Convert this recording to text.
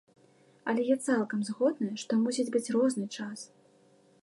Але я цалкам згодная, што мусіць быць розны час!